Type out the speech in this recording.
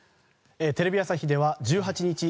テレビ朝日では１８日